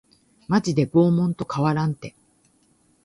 マジで拷問と変わらんて